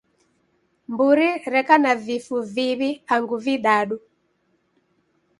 Mburi reka na vifu viw'i angu vidadu?